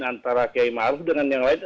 antara kiai ma'ruf dengan yang lain